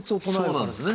そうなんですね。